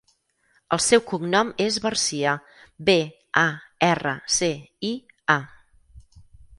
El seu cognom és Barcia: be, a, erra, ce, i, a.